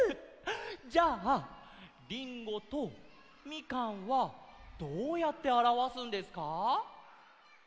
じゃあ「りんご」と「みかん」はどうやってあらわすんですか？